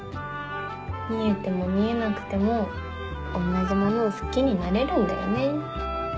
見えても見えなくても同じものを好きになれるんだよね。